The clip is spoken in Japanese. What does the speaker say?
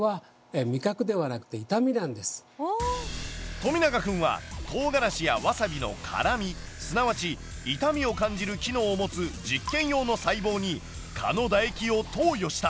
富永くんはトウガラシやワサビの辛みすなわち痛みを感じる機能を持つ実験用の細胞に蚊の唾液を投与した。